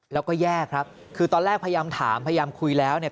แล้วก็แยกครับคือตอนแรกพยายามถามพยายามคุยแล้วเนี่ย